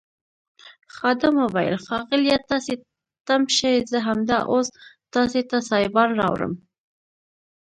خادم وویل ښاغلیه تاسي تم شئ زه همدا اوس تاسي ته سایبان راوړم.